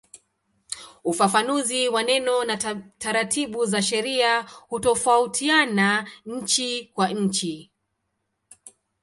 Ufafanuzi wa neno na taratibu za sheria hutofautiana nchi kwa nchi.